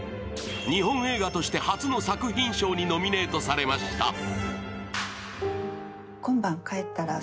日本映画として初の作品賞のノミネートされました。